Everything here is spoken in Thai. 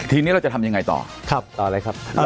ทีนี้เราจะทำยังไงต่อครับต่อเลยครับ